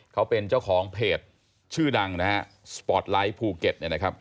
เขาเป็นเจ้าของเพจชื่อดังสปอร์ตไลท์ภูเก็ต